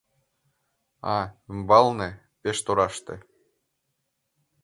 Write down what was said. А, умбалне, пеш тораште